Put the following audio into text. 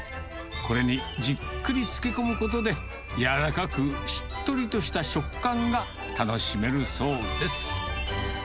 これにじっくり漬け込むことで、やわらかく、しっとりとした食感が楽しめるそうです。